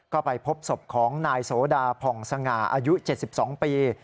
ก็ไปพบศพของนายโสดาผ่องสง่าอายุ๗๒ปี